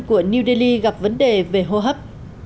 của new delhi gặp vấn đề về hô hấp